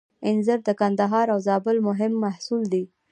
انځر د کندهار او زابل مهم محصول دی.